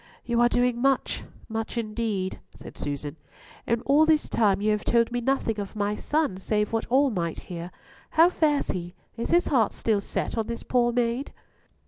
"You are doing much, much indeed," said Susan; "and all this time you have told me nothing of my son, save what all might hear. How fares he? is his heart still set on this poor maid?"